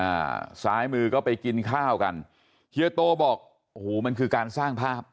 อ่าซ้ายมือก็ไปกินข้าวกันเฮียโตบอกโอ้โหมันคือการสร้างภาพ